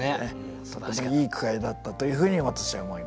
とてもいい句会だったというふうに私は思います。